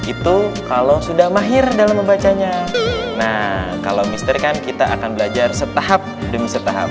itu kalau sudah mahir dalam membacanya nah kalau mister kan kita akan belajar setahap demi setahap